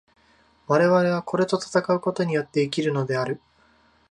我々はこれと戦うことによって生きるのである。